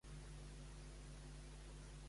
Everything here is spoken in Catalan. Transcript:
On va conduir els migrants, Tarcont?